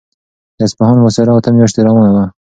د اصفهان محاصره اته میاشتې روانه وه.